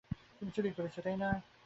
ওটা আমায় দাও!